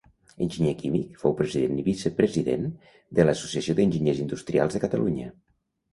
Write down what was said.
Enginyer químic, fou president i vicepresident de l'Associació d'Enginyers Industrials de Catalunya.